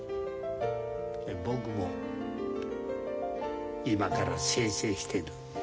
僕も今から清々してる。